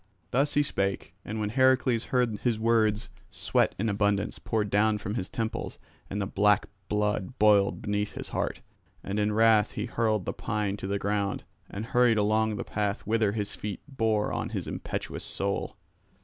Thus he spake; and when Heracles heard his words, sweat in abundance poured down from his temples and the black blood boiled beneath his heart. And in wrath he hurled the pine to the ground and hurried along the path whither his feet bore on his impetuous soul.